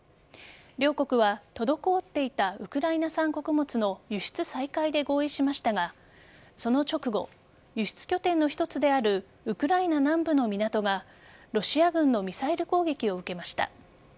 両国は滞っていたウクライナ産穀物の輸出再開で合意しましたがその直後、輸出拠点の一つであるウクライナ南部の港がロシア軍のミサイル攻撃を受けました。